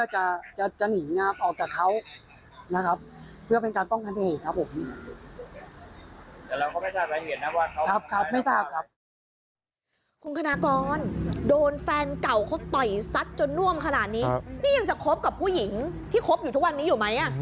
ไหนสัดจนน่วมขนาดนี้นี่ยังจะคบกับผู้หญิงที่คบอยู่ทุกวันนี้อยู่ไหม